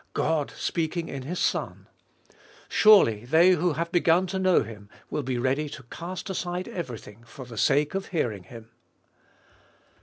God speaking in His Son ! Surely they who have begun to know Him will be ready to cast aside everything for the sake of hearing Him.